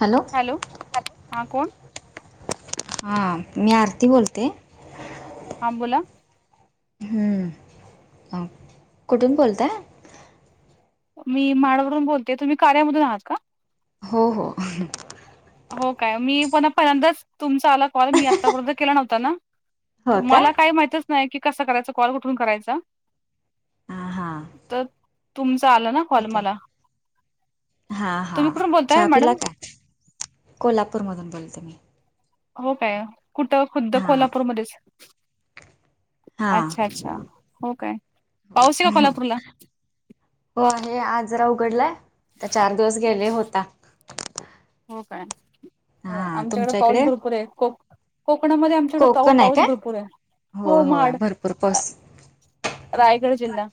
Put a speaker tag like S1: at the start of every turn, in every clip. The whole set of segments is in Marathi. S1: हॅलो.
S2: हॅलो हा कोण.
S1: हा मी आरती बोलते.
S2: हां बोला.
S1: हम्म, आ कुठून बोलताय.
S2: मी माडवरून बोलते तुम्ही कार्यामधून आहात का.
S1: हो हो हं.
S2: हो काय मी पण पर्यंतच, तुमचा आला कॉल मी आत्तापर्यंत केला नव्हता ना.
S1: हो का
S2: तुम्हांला काही माहितच नाही की कसा करायचा कॉल कुठून करायचा.
S1: हां हां
S2: तर, तुमचा आला ना. कॉल
S1: ठीक आहे,
S2: मला
S1: हा हा
S2: तुम्ही कुठून बोलताय
S1: चहा पिला
S2: मॅडम
S1: का. कोल्हापूर मधून बोलते मी.
S2: हो काय, कुठं खुद्द
S1: हां
S2: कोल्हापूरमध्येच.
S1: हां
S2: अच्छा-अच्छा हो काय, पाऊस आहे का कोल्हापूरला.
S1: हो आहे आज जरा उघडलाय, तर चार दिवस गेले
S2: अच्छा,
S1: होता.
S2: हो काय, हो
S1: हां
S2: आमच्याकडे
S1: तुमच्या
S2: पाऊस
S1: इकडे
S2: भरपूर आहे खक कोकणामध्ये आमच्याकड पाऊ
S1: कोकण आहे
S2: पाऊस
S1: काय
S2: भरपूर आहे, हो
S1: होय होय
S2: म्हड
S1: भरपूर पाऊस
S2: रायगड जिल्हा.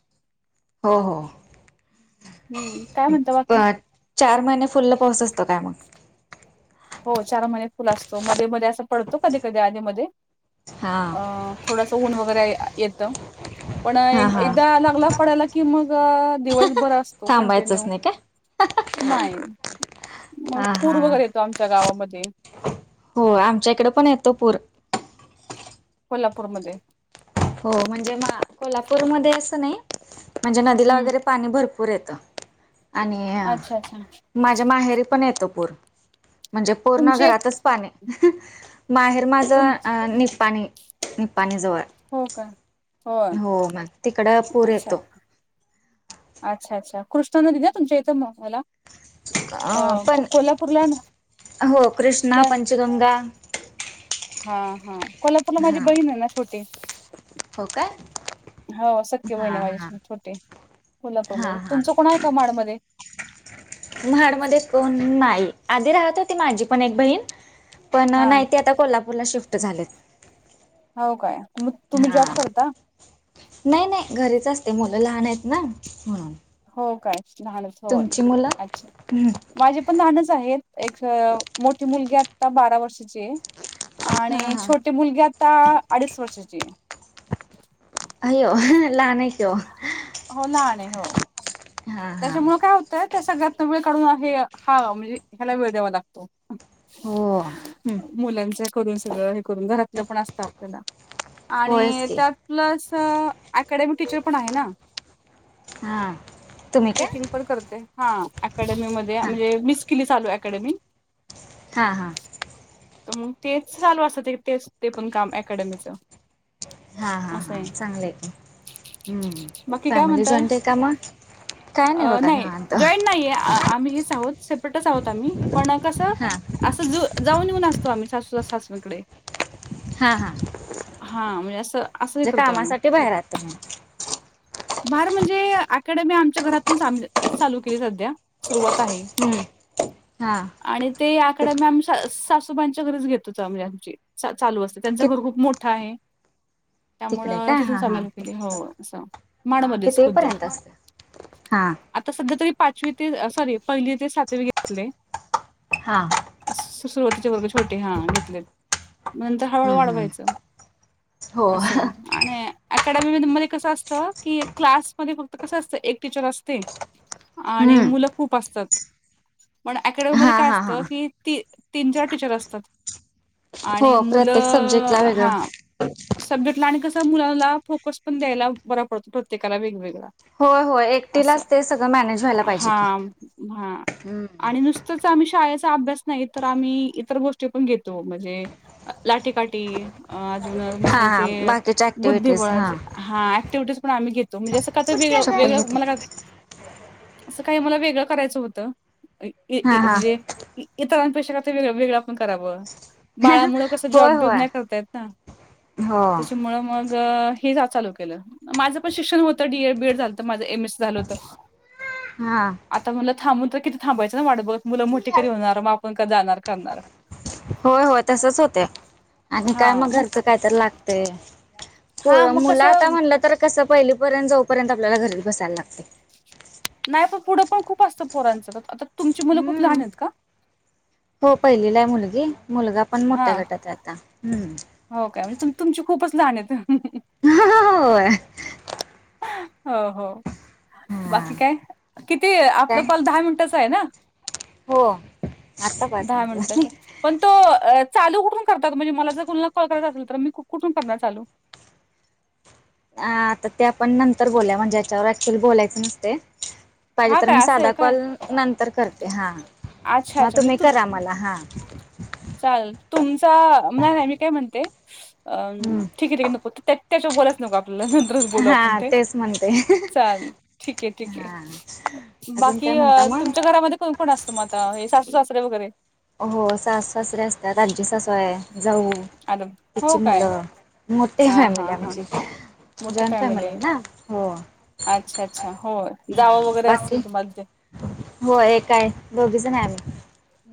S1: हो हो,
S2: हम्म काय म्हणता बाकी
S1: त्यात चार महिने फुल्ल पाऊस असतो काय मग.
S2: हो चार महिने फुल असतो मध्ये मध्ये असं पडतो कधी-कधी आधी मधून
S1: हां
S2: अं. थोडसं ऊन वगैरे येतं.
S1: [inaudible]
S2: पण
S1: हां
S2: ए-एकदा लागला पडायला की मग दिवसभर असतो
S1: थांबायचंच
S2: कंन्टिन्यू.
S1: नाही काय
S2: नाही, मग
S1: हां
S2: पूर
S1: हां
S2: वगैरे येतो आमच्या गावामध्ये.
S1: हो, आमच्या इकडे पण येतो पूर.
S2: कोल्हापूरमध्ये.
S1: हो म्हणजे म कोल्हापूरमध्ये असं नाही, म्हणजे नदीला
S2: हम्म
S1: वगैरे पाणी भरपूर येतं, आणि
S2: अच्छा अच्छा
S1: माझ्या माहेरी पण येतं पूर. म्हणजे पूर्ण
S2: तुमचे
S1: घरातच पाणी हं माहेर
S2: तुम
S1: माझं अ निपाणी. निपाणीजवळ.
S2: हो का.
S1: हो म तिकड पूर
S2: अच्छा
S1: येतो.
S2: अच्छा अच्छा कृष्णा नदी ना तुमच्या इथं म मला.
S1: अ
S2: को
S1: पण
S2: कोल्हापूरला ना
S1: हो कृष्णा,
S2: न
S1: पंचगंगा
S2: हा हा, कोल्हापूरला माझी
S1: हा
S2: बहीण आहे ना छोटी.
S1: हो काय
S2: हो सख्खी बहिण
S1: हा
S2: आहे
S1: हा
S2: माझी छोटी
S1: हा
S2: कोल्हापूरमध्ये.
S1: हा
S2: तुमचं कोण आहे? कमाड मध्ये
S1: म्हाडमध्ये कोण नाही. आधी राहत होती माझी पण एक बहीण पण
S2: हा
S1: नाही ती आता कोल्हापूरला शिफ्ट झालेत.
S2: हो काय, तुम तुम्ही
S1: हा
S2: जॉब करता.
S1: नाही नाही घरीच असते. मुलं लहान आहेत ना, म्हणून.
S2: हो काय, लहानच होय
S1: तुमची मुलं
S2: अच्छा. माझे पण लहानच आहेत, एक मोठी मुलगी आता बारा वर्षाची आहे.
S1: हा
S2: आणि
S1: हा
S2: छोटी मुलगी आता अडीच वर्षाची आहे.
S1: अय्यो हं लहान आहे की ओ
S2: हो लहान आहे हो.
S1: हा हा
S2: त्याच्यामुळं काय होतंय ते सगळ्यातन वेळ काढून हे हा म्हणजे ह्याला वेळ द्यावा लागतो.
S1: हो
S2: मुलांच करून सगळं हे करून घरातलं पण असतं आपल्याला
S1: होयच
S2: आणि
S1: की
S2: त्यात प्लस अकॅडमी टीचर पण आहे ना,
S1: हां,
S2: टीचिंग पण करते. हा अकॅडमी मध्ये
S1: हा
S2: म्हणजे मिच केली चालू अकॅडमी.
S1: हा हा,
S2: मग तेच चालू असतं तेच ते पण काम अकॅडमीचं.
S1: हां हां
S2: असं
S1: हां,
S2: आहे.
S1: चांगलं आहे. हम्म,
S2: बाकी काय
S1: फॅमिली
S2: म्हणता
S1: जॉईट आहे का मग? काय
S2: अ
S1: बघा
S2: नाही.
S1: निवांत
S2: जॉइंट नाहीये अ आम्ही हेस आहोत सेपरेटच आहोत आम्ही पण कसं
S1: हा
S2: असं जु जाऊन येऊन असतो आम्ही सासू सासऱ्याकडे
S1: हां हां,
S2: हां म्हणजे असं असं हे करतो आम्ही.
S1: कामासाठी बाहेर आहात तुम्ही
S2: बार म्हणजे अकॅडमी आमच्या घरातून [unintelligible] चालू केली संध्या. सुरुवात आहे.
S1: हम्म हा
S2: आणि ते अकॅडमी आम्ही स सासूबाईच्या घरीच घेत होतो आम्ही आमची चालू असते.
S1: कि
S2: त्यांचं घर खूप मोठं आहे.
S1: तिकडे
S2: त्यामुळं
S1: काय हा
S2: तिथूनच
S1: हा
S2: आणा लागते. हो असं माडमध्येच खुद्द
S1: हां,
S2: आता संध्या तरी पाचवी ते अ सॉरी पहिली ते सातवी घेतलेय.
S1: हां,
S2: सु.. सुरुवातीचे वर्ग छोटे हां घेतलेत. नंतर हळूहळू
S1: हम्म हम्म
S2: वाढवायचं.
S1: हो
S2: असे आणि अकॅडमी मधी मध्ये कसं असतं. की क्लासमध्ये फक्त कसं असतं एक टीचर असते. आणि मुलं
S1: हम्म
S2: खूप असतात. पण अकॅडमीमध्ये
S1: हा
S2: काय
S1: हा हा
S2: असतं. की ती तीन चार टीचर असतात.
S1: हो
S2: आणि मुलं
S1: प्रत्येक सब्जेक्टला वेगळं
S2: हां सब्जेक्टला आणि कसं मुलांला फोकस पण द्यायला बरा पडतो. प्रत्येकाला वेगवेगळा
S1: होय हो एक
S2: असं हां हां,
S1: हम्म
S2: आणि नुस तंच आम्ही शाळेचा अभ्यास नाही तर आम्ही इतर गोष्टी पण घेतो. म्हणजे अ लाटीकाठी अ अजून तुम्हा
S1: हा हा
S2: सांगते
S1: बाकीच्या ऍक्टिव्हटीज हा
S2: बुद्धिबळाचे हां ॲक्टिव्हिटिज पण आम्ही घेतो. म्हणजे असं का तं वेगळं
S1: चप्पल
S2: वेगळं
S1: घेते
S2: मला काय असं काही मला वेगळं करायचं होतं ये
S1: हा
S2: ये
S1: हा
S2: म्हणजे इ इतरांपेक्षा काहीतरी वेगळं वेगळं आपण करावं बाळामुळं कसं
S1: होय
S2: जॉब विब
S1: होय
S2: नाही करता येत ना
S1: हो
S2: त्याच्यामुळं मग गं हे जवा चालू केलं माझं पण शिक्षण हो. त डी एड बी एड झालंतं माझं एम एस झालं होतं.
S1: हां.
S2: आता मुलं थांबून तर किती थांबायंच ना वाटं बघत मुलं मोठी कधी होणार? मग आपण क जाणार करणार.
S1: होय होय तसंच होतंय आणि काय मग घरचं काय तर लागतंय.
S2: हा
S1: पोरं
S2: मग
S1: मुलं आता
S2: कसं
S1: म्हणलं तर कसं पहिलीपर्यंत जाऊपर्यंत आपल्याला घरी बसायला लागतंय.
S2: नाही पण पुढं पण खूप असतं पोरांचं तर आता तुमची मुलं खूप लहान
S1: हम्म
S2: आहेत का?
S1: हो पहिलीला आहे मुलगी मुलगा पण
S2: हा
S1: मोठ्या गटात आहे आता हम्म.
S2: हो काय म्हणजे तुम तुमची खूपच लहान आहेत ना.
S1: होय.
S2: हो हो
S1: हा
S2: बाकी काय किती
S1: काय
S2: आपलं कॉल दहा मिनिटाचं आहे ना?
S1: हो आत्तापास
S2: दहा
S1: म्हणज
S2: मिनिटाचा. पण तो लू कुठून करतात म्हणजे मला जर कोणाला कॉल करायचा असेल तर मी कुठून करणार चालू.
S1: ह आता ते आपण नंतर बोलल्या म्हणजे याच्यावर ऍक्च्युली बोलायच नसते. पाहिजे
S2: हा
S1: तर मी
S2: काय असं
S1: साधा
S2: आहे काय?
S1: कॉल नंतर करते हा.
S2: अच्छा अच्छाी तू.
S1: आम्हाला हा.
S2: चाल तुमचा नाही नाही मी काय म्हणते अं.
S1: हम्म
S2: ठीक आहे ठीक आहे नको त्या त्याच्यावर बोलायच नको आपल्याला नं तरच बोलू आपण
S1: हा
S2: ताई
S1: तेच म्हणते
S2: चाल ठीक आहे ठीक आहे.
S1: हा अजून काय
S2: बाकी
S1: म्हणता
S2: अ
S1: मग?
S2: तुमच्या घरामध्ये कोण कोण असतो मग आता हे सासू सासरे वगैरे?
S1: हो सास सासरे असतात आमची सासू आहे जाऊ
S2: आलं
S1: त्याची
S2: हो काय
S1: मुलं मोठी
S2: हा
S1: फॅमिली
S2: हा हा
S1: आमची. जॉईंट फॅमिली ना हो.
S2: अच्छा अच्छा हो
S1: हा
S2: जावं वगैरे
S1: बाकी
S2: असतील तुम्हाला ते.
S1: हो एकय दोघीचण आम्ही.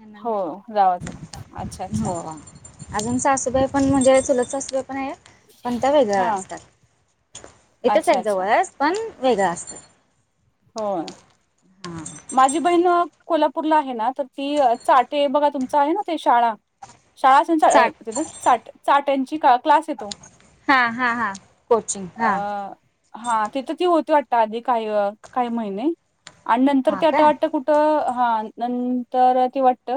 S1: नणंद
S2: हो जावा जाव अच्छा अच्छा
S1: अजूनचा आसूबाई पण म्हणजे चलतचा असासूबाई पण आहे. पण त्या वेगळ्या
S2: हा
S1: असतात इथेच
S2: अच्छा अच्छा
S1: जवळच पण वेगळं असतं.
S2: हो.
S1: हा.
S2: माझी बहीण कोल्हापूरला आहे ना तर ती चाटे बघा तुमच आहे ना ते शाळा. शाळा
S1: चाट
S2: अस चाट्यांची क्लास येतो.
S1: हा हा हा कोचिंग हा.
S2: हा तिथे ती होती वाट आधी काही काही महिने आणि नंतर
S1: हां
S2: ते आट
S1: काय
S2: वाटत कुठे. हा नंतर ते वाटत.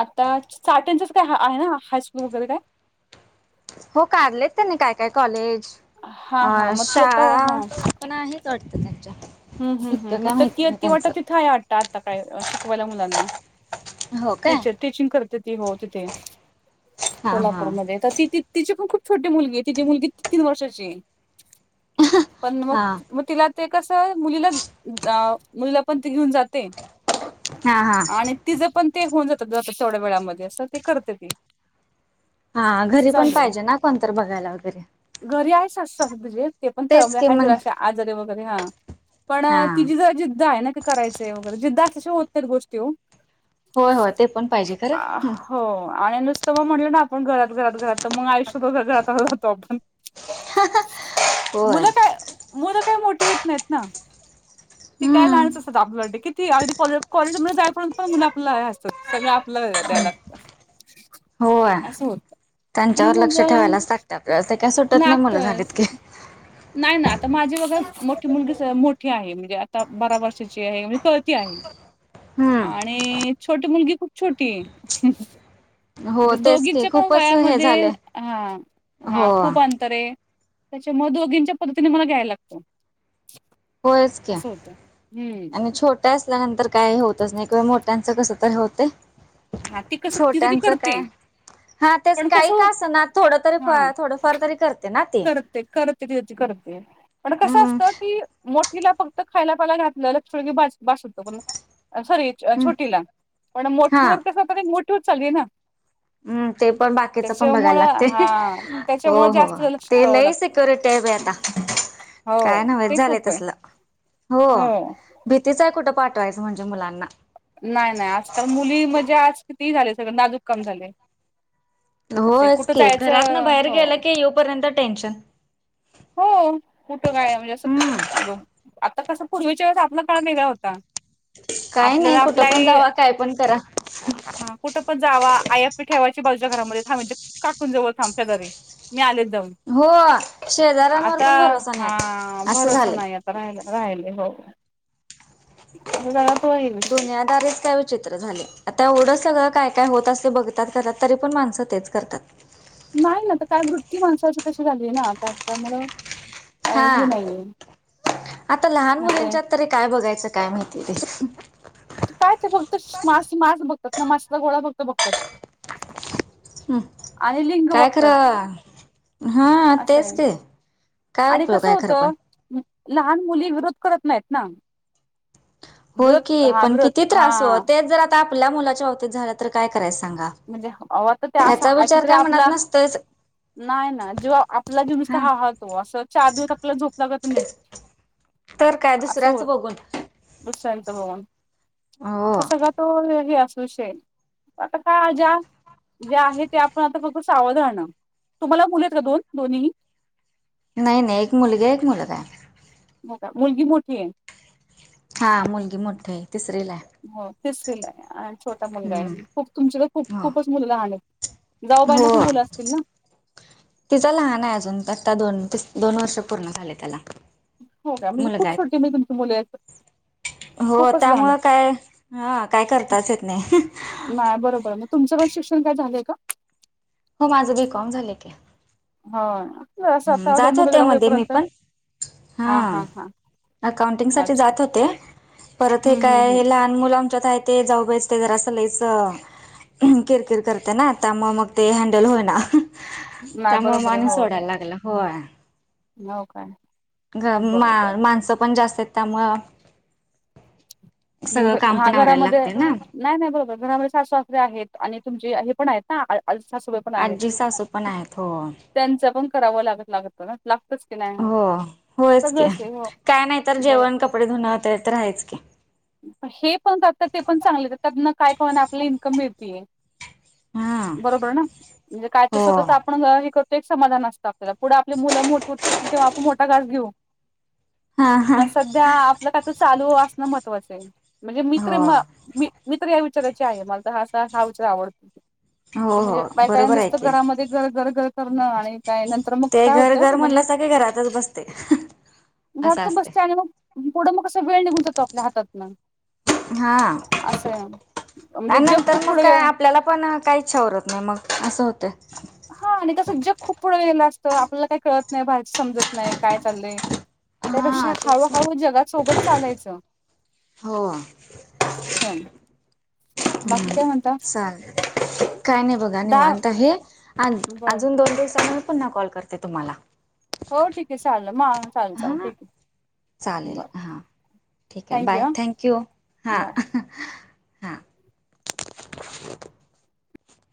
S2: आता चाट्यांचाच काय ह आहे ना हा स्कू वगैरे काय.
S1: हो काढलेत त्यांनी काय काय कॉलेज
S2: हां, हां, मग ती
S1: अशा.
S2: आता
S1: पण आहे वाटतं त्यांच्याक
S2: हम् हम् हम मग तर ति ती वाटत तिथं आहे वाट आता काय शिकवायला मुलांना.
S1: हो काय
S2: टीचर टीचिंग करते ती हो तिथे.
S1: हां हां
S2: कोल्हापूरमध्ये तर तिथ तिची पण खूप छोटी मुलगी आहे तिची मुलगी तीन वर्षाची आहे पण मग
S1: हां
S2: मग तिला ते कसं मुलीला मुलीला पण ती घेऊन जाते
S1: हा हा
S2: तिज पण ते होऊन जातात तेवड्या वेळामध्ये तर ते करते ती
S1: हा
S2: असं
S1: घरी पण
S2: चालू आहे.
S1: पाहिजे ना कोणत तर बघायला वगैरे
S2: घरी आहे सासू सासरे तिझे ते पण [inaudible]
S1: तेच की मग
S2: जरा असे आजारे वगैरे हा पण
S1: हां
S2: तिझी जरा जिद्द आहे ना का करायच वगैरे जिद्द असल्याशिवाय होत नाहित गोष्टी ओ
S1: होय होय ते पण पाहिजे
S2: अ
S1: खरं
S2: हो आणि नुस तर मग म्हटलं ना आपण घरात घरात घरात तर मग आयुष्यात घरात राहतो आपण
S1: होय
S2: मुलं काय मुलं काय मोठी होत नाहीत ना ती काय
S1: हम्म
S2: लहाणच असतात आपल्यासाठी कितीही अगदी कॉलेज कॉलेज मध्ये जायपर्यंत पण मुलं आपलं हे असत सगळं आपलं द्यायला लागत
S1: होय
S2: असं होत आणि
S1: त्यांच्यावर
S2: मग
S1: लक्ष ठेवायलाच लागते आपल्याला ते काय सुटत नाही मुलं
S2: लागतच
S1: झालीत की
S2: नाही ना आता माझी बघा मोठी मुलगीच मोठी आहे म्हणजे आता बारा वर्षाची आहे म्हणजे कळती आहे
S1: हम्म
S2: आणि छोटी मुलगी खूप छोटीये ह ह
S1: हो तेच की
S2: दोघीच्या पण
S1: खूपच हे
S2: वयामध्ये
S1: झाले
S2: हा हा
S1: हो
S2: खूप अंत अंतरये त्याच्यामुळ दोघींच्या पद्धतीने मला घ्यायला लागतं
S1: होयच की
S2: असं होतं हम्म
S1: आणि छोट मोठ असल्यानंतर काय होतच नाही कि मोठ्यांचं कस तर होतय
S2: हा ती कसं तिथं ती
S1: छोट्यांचं
S2: करते
S1: काय हा तेच
S2: पण
S1: काही
S2: कसं
S1: का असना थोडं तरी
S2: हा
S1: थोडंफार तरी करते ना ती
S2: तिज ती करते पन कसं
S1: हम्म
S2: असत की मोठीला फक्त खायला प्याला घातलं लक्ष ठेवलं की बास बास होत पण सॉरी
S1: हम्म
S2: छोटीला पण मोठीवर कसं होता मोठीवर चालली आहे ना
S1: ह हम्म ते पण बाकीच पण बघायला
S2: त्याच्यामुळं
S1: लागते
S2: हा
S1: हो
S2: त्याच्यामुळे
S1: हो
S2: जास्त लक्ष
S1: ते
S2: ठेवावं
S1: लई
S2: लागतं
S1: सिक्युरिटी आहे बाई आता काय
S2: हो
S1: नव्हेच
S2: ते
S1: झालंय
S2: खूप आहे
S1: तसल हो भीतीचं आहे कुठं पाठवायचं म्हणजे मुलांना
S2: नाही नाही आजकाल मुली म्हणजे आज किती झाले सगळे नाजूक काम झालय
S1: होयच की घरातन
S2: जायचं
S1: बाहेर
S2: हो
S1: गेलं की येऊपर्यंत टेन्शन
S2: हो कुठं काय म्हणजे असं आता कस पूर्वीच्या वेळेस आपला काळ वेगळा होता
S1: काही नाही
S2: आपल्याला
S1: कुठं
S2: आपल्या
S1: पण
S2: आई
S1: जावा काय पण करा
S2: हा कुठं पण जावा आई आपली ठेवायची बाजूच्या घरामध्ये थांब इथ काकून च्या जवळ थांब शेजारी मी आलेच जाऊन
S1: हो शेजाऱ्यांवर
S2: आता
S1: पण भरोसा नाही
S2: हा
S1: आता असं
S2: भरोसा
S1: झालंय
S2: नाही आता राहिले हो [inaudible]
S1: दुनियादारिच काय विचित्र झाले आता एवढं सगळं काय काय होत असतय बघतात घरात तरी पण माणसं तेच करतात
S2: नाही ना तर काय वृत्ती माणसाची तशी झालीये ना आता त्यामुळ
S1: हा आता लहान
S2: असं आहे.
S1: मुलींच्यात तरी काय बघायचं काय माहिती ते
S2: काय ते फक्त मास मास बघतात ना मासाचा गोळा फक्त बघतात
S1: हम्
S2: आणि लिंग
S1: काय
S2: बघतात.
S1: खरं हा
S2: असं
S1: तेच
S2: आहे
S1: की काय
S2: आणि
S1: उपयोग
S2: कसं
S1: आहे खरं पण?
S2: होतं लहान मुली विरोध करत नाहीत ना
S1: होय
S2: विरोध
S1: की
S2: हा
S1: पण
S2: विरोध
S1: किती त्रास हो
S2: हा
S1: तेच जर आता आपल्या मुलाच्या बावतीत झालं तर काय करायच सांगा,
S2: म्हणजे अवो ते अशा
S1: ह्याचा विचार
S2: ऐकतर
S1: काय मनात
S2: आपला
S1: नसतोयच
S2: नाही ना जेव्हा आपल्याला जीव नुसत
S1: हा
S2: हळहळतो असं चारदिवस आपल्याला झोप लागत नाही.
S1: तर काय दुसऱ्याच बघून,
S2: दुसऱ्यांच बघून
S1: हो
S2: आता सगळं तो हे असू शे विषय आहं. का ज्या ज्या आहे त्या आपण आता फक्त सावध आणणार तुम्हाला मुली आहेत का दोन दोन्ही ही?
S1: नाही नाही एक मुलगा एक मुलगा आहे.
S2: हो का मुलगी मोठी आहे?
S1: हा मुलगी मोठी आहे तिसरी ला आहे.
S2: हो तिसरी ला आहे छोटा मुलगा आहे
S1: हम्म
S2: खूप तुमची तर खूप
S1: हो
S2: खूपच मुललं लहाण आहं. जाऊबाईना पण
S1: हो
S2: मुलं असतील ना?
S1: तिचा लहान आहे अजून आता दोन तस दोन वर्ष पूर्ण झाले त्याला,
S2: हो का म्हणजे
S1: मुलगा
S2: खूप छोटी
S1: आहे
S2: म्ह तुमची मुल आहेत.
S1: हो
S2: खूपच लहान
S1: त्यामुंळ काय हा काय करताच येत नाही.
S2: नाही बरोबर मग तुमं पण शिक्षण काय झालंय का?
S1: हो माझं बी कॉम झालंय की.
S2: ह्अ
S1: हम्म जात होते मध्ये मी पण, हा अकाउंटिंग साठी
S2: अच्छा
S1: जात होते परत हे
S2: हम्म
S1: काय
S2: हम्म हम्म
S1: हेला मुल आमच्यात आहे ते जाऊबाईस जरा असं लईचं किरकिर करते ना आता म मग ते हँडल होईना
S2: नाही
S1: त्यामुळे मग
S2: बरोबर आहे
S1: आणि
S2: हो
S1: सोडायला लागल. होय
S2: हो हो, काय
S1: घ
S2: बर बर
S1: र माणसं पण जास्त आहेत, त्यामुळं सगळं
S2: हम्म,
S1: काम
S2: हा
S1: पण आवरायला
S2: घरामध्ये
S1: लागतंय ना.
S2: नाही नाही बरोबर घरामध्ये सास सासरे आहेत आणि तुमचे हे पण आहेत ना आ तसासू
S1: आजी सासू पण आहेत हो,
S2: त्यांच पण करावं लागत लागत ना लागतंच की नाही
S1: हो होयच की
S2: सगळंच आहे हो.
S1: काय नाही तर
S2: बर
S1: जेवण कपडे धुन ते तर आहेच की.
S2: हे पण जात ते पण चांगले त्या न काय कोणा आपला इन्कम मिळती आहं,
S1: हा
S2: बरोबर ना म्हणजे काय
S1: हो
S2: स्वताचं आपण हे करतो एक समाधान असत पुढं आपली मुलं मोठठी तेव्हा आपण मोठा घास घेऊ
S1: हा हा
S2: पण सध्या मग काय तर चालू असणं महत्त्वाचं आहे म्हणजे मी तरी
S1: हो
S2: म मी मी तर ह्या विचाराचे आहे मला तर हा हा विचार आवडतो,
S1: हो
S2: म्हणजे
S1: हो
S2: बायका या
S1: बरोबर आहे
S2: नुसतं
S1: की
S2: घरामध्ये घरघर करणं आणि काय न
S1: ते घर घर म्हणल्यासा की घरातच बसतंय,
S2: घरातचं बसतंय आणि मग पुढं मग कस वेळ निघून जातो आपल्या हातातन
S1: हा
S2: म्हणजे
S1: आणि
S2: जग
S1: नंतर
S2: खूप
S1: मग
S2: पुढे
S1: का आपल्याला पण काहीच इछाउरत ना नाही मग असं होतंय,
S2: हा आणि तंस जग खूप पुढं गेलं असतं आपल्याला काय कळत नाही बाहेरचं समजत नाही काय चाललंय, त्यापेक्षा
S1: हा तेच ना
S2: हळूहळू जगात सोबत चालायचं,
S1: हो
S2: बाकी
S1: हम्म
S2: काय म्हणता?
S1: चालेल काय नाही बघा
S2: दहा
S1: निवांत आहे. अ
S2: बरं
S1: अजून दोन दिवसा मी पुन्हा कॉल करते तुम्हाला
S2: हो ठीक आहे चालेल म चालेल चाले
S1: हा
S2: ठीक आहे.
S1: चालेल
S2: बर
S1: हा ठीक आहे
S2: थँक्यू
S1: बाय
S2: हां
S1: थँक यू हा.
S2: बाय